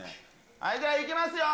はい、じゃあ、いきますよ。